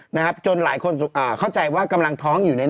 น้ำชาชีวนัทครับผมโพสต์ขอโทษทำเข้าใจผิดหวังคำเวพรเป็นจริงนะครับ